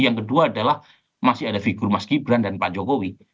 yang kedua adalah masih ada figur mas gibran dan pak jokowi